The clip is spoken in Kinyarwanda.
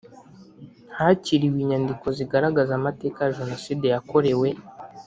Hakiriwe inyandiko zigaragaza amateka ya Jenoside yakorewe